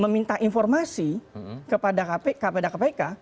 meminta informasi kepada kpk